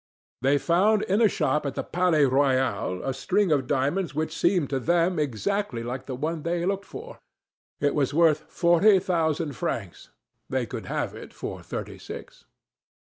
They found, in a shop at the Palais Royal, a string of diamonds which seemed to them exactly like the one they looked for. It was worth forty thousand francs. They could have it for thirty six.